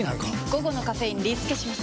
午後のカフェインリスケします！